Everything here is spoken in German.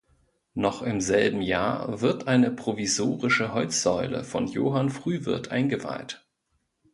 Noch im selben Jahr wird eine provisorische Holzsäule von Johann Frühwirth eingeweiht.